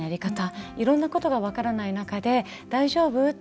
いろんなことが分からない中で大丈夫？って